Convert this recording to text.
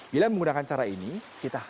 bila menggunakan cara ini kita